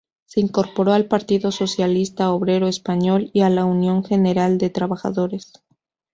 Se incorporó al Partido Socialista Obrero Español y a la Unión General de Trabajadores.